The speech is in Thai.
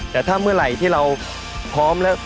แต่ถ้ามือไหลที่เราพร้อมและปลอดภัย